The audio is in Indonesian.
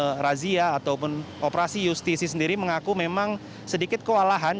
dari razia ataupun operasi justisi sendiri mengaku memang sedikit kewalahan